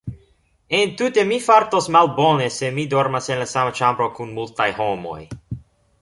Entute mi fartos malbone se mi dormas en la sama ĉambro kun multaj homoj.